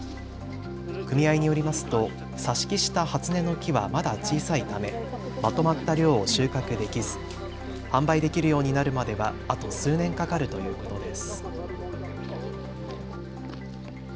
組合によりますと挿し木した初音の木はまだ小さいためまとまった量を収穫できず販売できるようになるまではあと数年かかるということです。